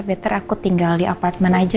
better aku tinggal di apartemen aja